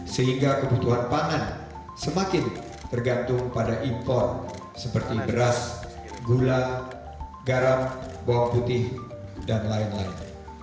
sehingga kebutuhan pangan semakin tergantung pada impor seperti beras gula garam bawang putih dan lain lain